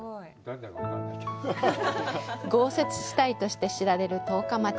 豪雪地帯として知られる十日町。